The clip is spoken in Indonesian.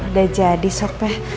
udah jadi sok peh